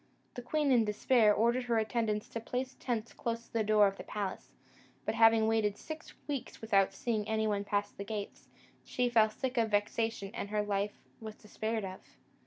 The queen, in despair, ordered her attendants to place tents close to the door of the palace; but, having waited six weeks without seeing any one pass the gates, she fell sick of vexation, and her life was despaired of.